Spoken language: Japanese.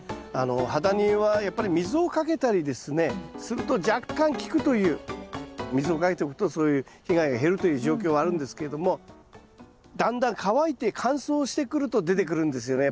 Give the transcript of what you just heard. ハダニはやっぱり水をかけたりですねすると若干効くという水をかけておくとそういう被害が減るという状況はあるんですけれどもだんだん乾いて乾燥してくると出てくるんですよね